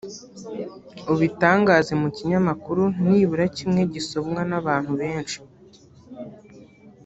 ubitangaze mu kinyamakuru nibura kimwe gisomwa n abantu benshi